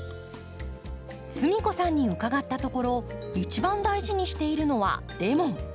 すみこさんに伺ったところ一番大事にしているのはレモン。